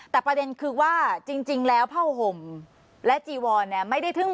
แต่ประเด็นคือว่าจริงจริงแล้วเพ้าห่มและจีวอนเนี้ย